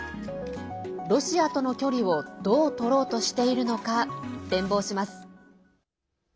ロシアとの距離をどう取ろうとしているのか展望します。